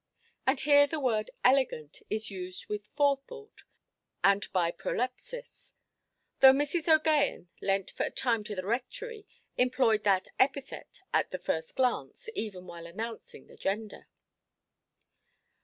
And here the word "elegant" is used with forethought, and by prolepsis; though Mrs. OʼGaghan, lent for a time to the Rectory, employed that epithet at the first glance, even while announcing the gender.